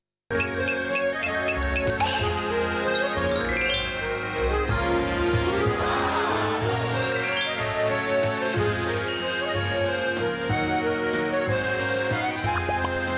ว๊าว